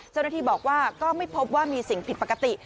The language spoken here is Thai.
เจ้าหน้าที่บอกว่าก็ไม่พบว่ามีสิ่งผิดปกติ